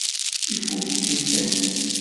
Ifukk-iten?